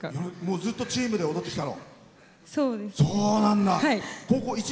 ずっとチームで踊ってきたの？